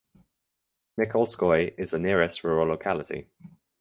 Nikolskoye is the nearest rural locality.